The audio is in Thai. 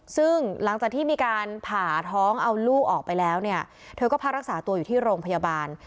ซึ่งหลังจากที่มีการผ่าท้องเอาลูกออกไปแล้วเนี่ยเธอก็พักรักษาตัวอยู่ที่โรงพยาบาล